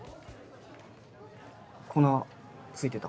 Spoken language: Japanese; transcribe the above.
粉付いてた。